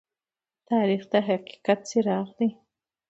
تاریخ د حقیقت څراغ دى.